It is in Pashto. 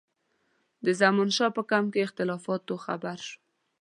د زمانشاه په کمپ کې اختلافاتو خبر شو.